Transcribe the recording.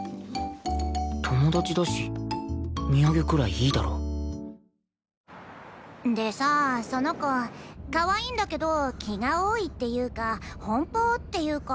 友達だし土産くらいいいだろうでさその子かわいいんだけど気が多いっていうか奔放っていうか。